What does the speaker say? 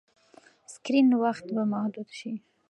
سکرین وخت به محدود شي.